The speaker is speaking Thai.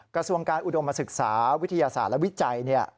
กระทรวงการอุดมศึกษาวิทยาศาสตร์และวิจัย